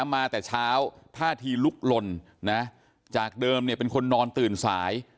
มาแต่เช้าท่าทีลุกลนจากเดิมเป็นคนนอนตื่นสาย